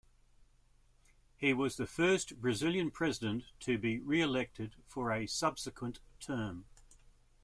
He was the first Brazilian president to be reelected for a subsequent term.